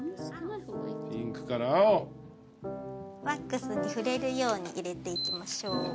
ワックスに触れるように入れていきましょう。